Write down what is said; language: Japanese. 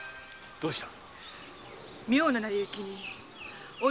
どうした？